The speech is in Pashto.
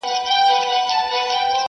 چي ستاینه د مجنون د زنځیر نه وي،